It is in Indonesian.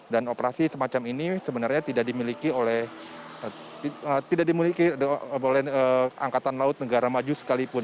dan operasi semacam ini sebenarnya tidak dimiliki oleh angkatan laut negara maju sekalipun